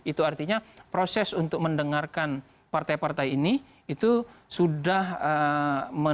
itu artinya proses untuk mendengarkan partai partai ini itu sudah menunjukkan